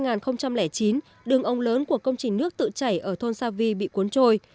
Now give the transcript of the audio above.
năm hai nghìn chín đường ống lớn của công trình nước tự chảy ở thôn sa vi bị cuốn trôi